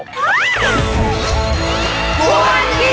วันกิจา